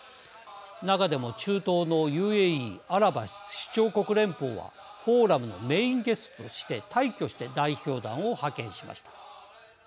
中でも中東のＵＡＥ＝アラブ首長国連邦はフォーラムのメインゲストとして大挙して代表団を派遣しました。